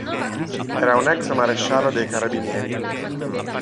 Era un ex-maresciallo dei carabinieri.